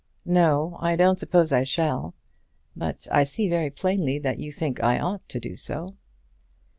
"No; I don't suppose I shall. But I see very plainly that you think I ought to do so."